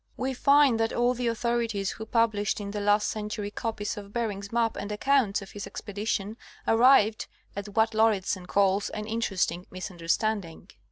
We find that all the authorities who published in the last cen tury copies of Bering's map and accounts of his expedition arrived at what Lauridsen calls an "interesting misunderstanding."